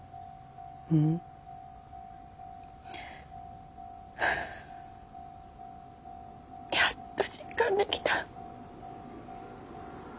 ん？やっと実感できた。